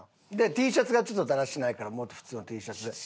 Ｔシャツがだらしないからもっと普通のＴシャツで。